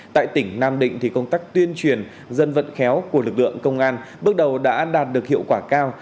tại tỉnh nam định thì công tác tuyên truyền dân vận khéo của lực lượng công an bước đầu đã đạt được hiệu quả cao